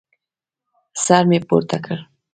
سر مې پورته کړ.